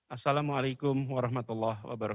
assalamu'alaikum warahmatullahi wabarakatuh